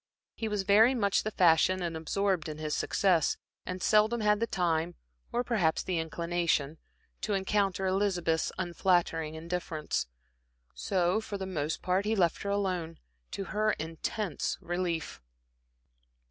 He was very much the fashion and absorbed in his success, and seldom had the time, or perhaps the inclination, to encounter Elizabeth's unflattering indifference. So for the most part he left her alone, to her intense relief.